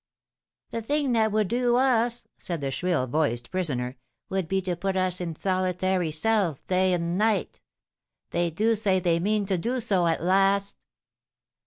"The thing that would do us," said the shrill voiced prisoner, "would be to put us in solitary cells day and night. They do say they mean to do so at last."